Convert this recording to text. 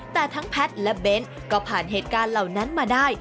แต่ทั้งแพทย์และเบ้นก็ผ่านเหตุการณ์เหล่านั้นมาได้